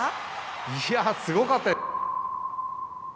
いやすごかった。